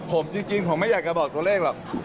ผมจริงผมไม่อยากจะบอกตัวเลขหรอก